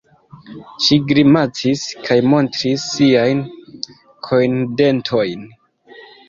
Ŝi grimacis kaj montris siajn kojndentojn.